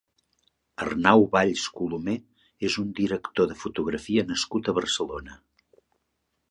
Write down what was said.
Arnau Valls Colomer és un director de fotografia nascut a Barcelona.